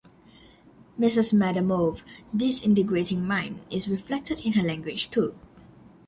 Mrs. Marmeladov's disintegrating mind is reflected in her language, too.